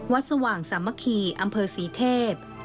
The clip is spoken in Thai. วัดสว่างสามะคีอำเภอสีเทพ